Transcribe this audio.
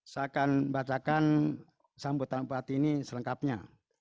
saya akan bacakan sambutan bupati ini selengkapnya